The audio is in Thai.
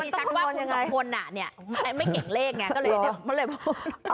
ชั้นว่าคุณสองคนมันไม่เก่งเลขเลย